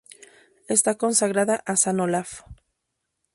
Está consagrada a San Olaf.